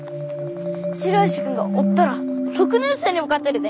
白石君がおったら６年生にも勝てるで。